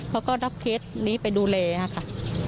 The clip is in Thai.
เขาก็รับเคสนี้ไปดูแลค่ะ